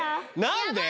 何で？